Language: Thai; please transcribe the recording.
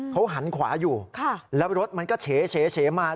เขาหันขวาอยู่แล้วรถมันก็เฉมา